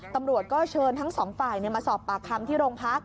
ตำรวจก็เชิญทั้งสองฝ่ายมาสอบปากคำที่โรงพัก